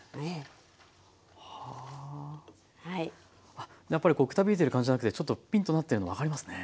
ああやっぱりこうくたびれてる感じじゃなくてちょっとピンとなってるの分かりますね。